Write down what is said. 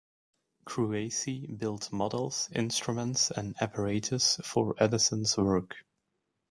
Kruesi built models, instruments, and apparatus for Edison's work.